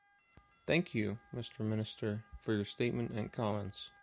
Thank you, Mr. Minister, for your statement and comments.